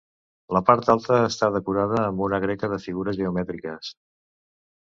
La part alta està decorada amb una greca de figures geomètriques.